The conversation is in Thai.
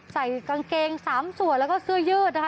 ใส่กางเกง๓ส่วนแล้วก็เสื้อยืดนะคะ